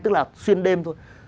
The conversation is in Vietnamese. tức là xuyên đêm thôi